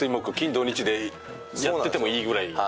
土日でやっててもいいぐらい。